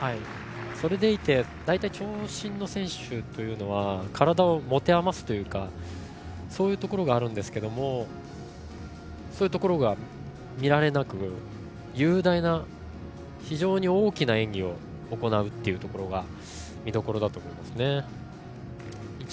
それでいて大体、長身の選手というのは体を持て余すというかそういうところがあるんですがそういうところが見られなく雄大な、非常に大きな演技を行うというところが見どころだと思いますね。